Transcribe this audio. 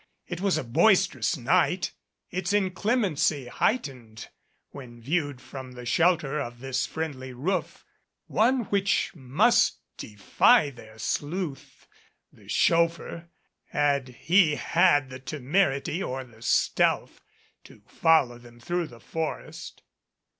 It was a boisterous night, its inclemency heightened when viewed from the shelter of this friendly roof, one which must defy their sleuth, the chauffeur, had he had the temerity or the stealth to follow them through the forest.